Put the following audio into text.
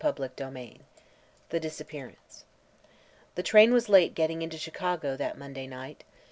CHAPTER XVII THE DISAPPEARANCE The train was late getting into Chicago that Monday night.